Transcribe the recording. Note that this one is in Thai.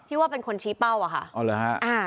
ที่ว่าเป็นคนชี้เป้าอ่ะค่ะ